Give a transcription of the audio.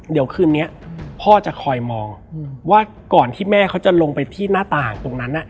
เดี๋ยวคืนนี้พ่อจะคอยมองว่าก่อนที่แม่เขาจะลงไปที่หน้าต่างตรงนั้น